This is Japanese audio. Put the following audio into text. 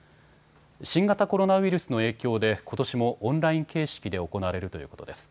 新型コロナウイルスの影響でことしもオンライン形式で行われるということです。